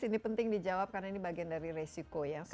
ini penting dijawab karena ini bagian dari resiko ya